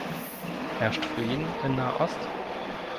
Herrscht Frieden in Nahost?